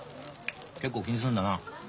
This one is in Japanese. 結構気にするんだな。